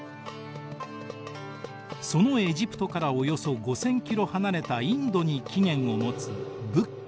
そのエジプトからおよそ５，０００ｋｍ離れたインドに起源を持つ仏教。